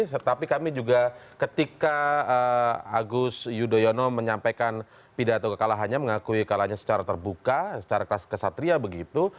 tetapi kami juga ketika agus yudhoyono menyampaikan pidato kekalahannya mengakui kalahnya secara terbuka secara kesatria begitu